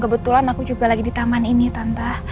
kebetulan aku juga lagi di taman ini tanpa